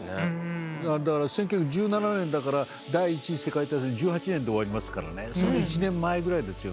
だから１９１７年だから第１次世界大戦１８年で終わりますからねその１年前ぐらいですよね。